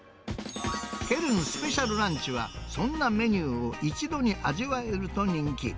ケルンスペシャルランチは、そんなメニューを一度に味わえると人気。